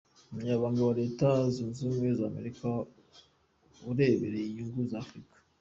Umunyamabanga wa Leta Zunze ubumwe za America ureberera inyungu za Africa, Mr.